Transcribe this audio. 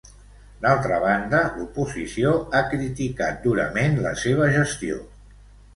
D'altra banda, l'oposició ha criticat durament la seva gestió.